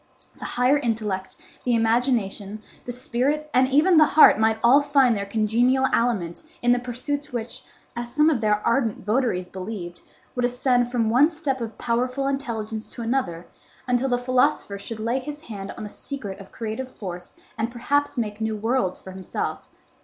The higher intellect, the imagination, the spirit, and even the heart might all find their congenial aliment in pursuits which, as some of their ardent votaries believed, would ascend from one step of powerful intelligence to another, until the philosopher should lay his hand on the secret of creative force and perhaps make new worlds for himself.